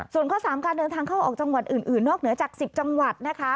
ส่วนข้อ๓การเดินทางเข้าออกจังหวัดอื่นนอกเหนือจาก๑๐จังหวัดนะคะ